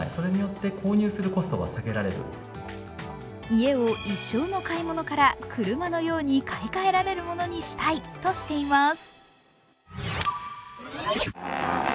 家を一生の買い物から車のように買い替えられるものにしたいとしています。